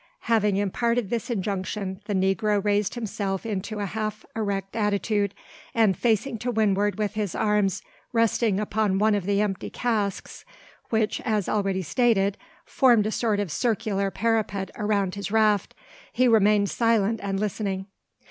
Having imparted this injunction, the negro raised himself into a half erect attitude; and facing to windward with his arms resting upon one of the empty casks, which, as already stated, formed a sort of circular parapet around his raft, he remained silent and listening.